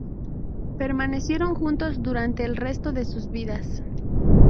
Permanecieron juntos durante el resto de sus vidas.